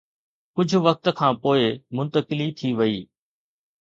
ڪجهه وقت کان پوءِ منتقلي ٿي وئي.